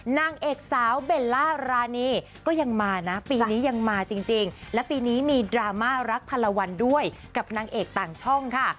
นางเอกสาวเบลล่ารานีก็ยังมานะปีนี้ยังมาจริงและปีนี้มีดราม่ารักพลวันด้วยกับนางเอกต่างช่องค่ะ